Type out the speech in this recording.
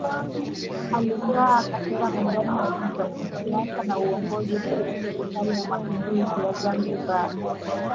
Alingaa katika medani za kisiasa na uongozi ndani ya Serikali ya Mapinduzi ya Zanzibar